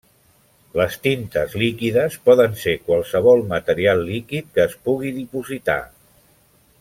Les tintes líquides poden ser qualsevol material líquid que es pugui dipositar.